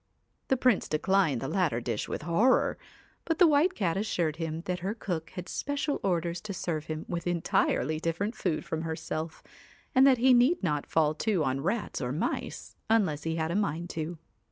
The Prince declined the latter dish with horror; but the White Cat assured him that her cook had special orders to serve him with entirely different food from herself, and that he need not fall to on rats or mice unless he had a mind to.